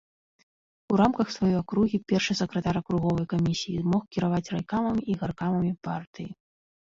У рамках сваёй акругі першы сакратар акруговай камісіі мог кіраваць райкамамі і гаркамамі партыі.